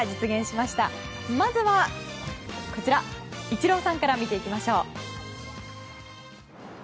まずは、イチローさんから見ていきましょう。